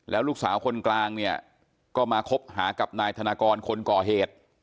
แล้วลูกสาวคนกลางเนี่ยก็มาคบหากับนายธนากรคนก่อเหตุ